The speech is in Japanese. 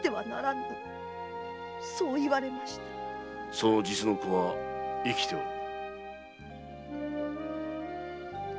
その実の子は生きておる。